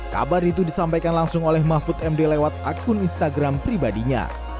kabar itu disampaikan langsung oleh mahfud md lewat akun instagram pribadinya